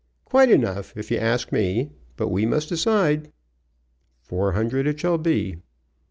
"Quite enough, if you ask me. But we must decide." "Four hundred it shall be."